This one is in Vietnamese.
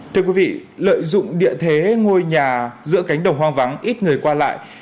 thưa quý vị lợi dụng địa thế ngôi nhà giữa cánh đồng hoang vắng ít người qua lại